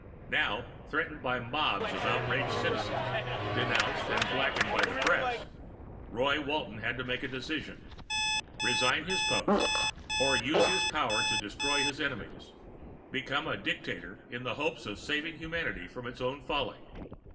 Now, threatened by mobs of outraged citizens, denounced and blackened by the press, Roy Walton had to make a decision: resign his post, or use his power to destroy his enemies, become a dictator in the hopes of saving humanity from its own folly.